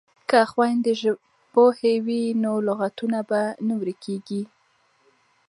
که خویندې ژبپوهې وي نو لغاتونه به نه ورکیږي.